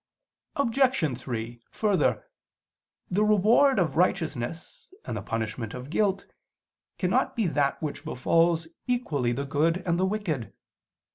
Obj. 3: Further, the reward of righteousness and the punishment of guilt cannot be that which befalls equally the good and the wicked.